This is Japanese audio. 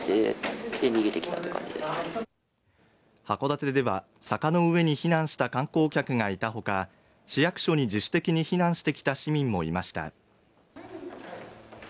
函館では坂の上に避難した観光客がいたほか、市役所に自主的に避難してきた市民もいました。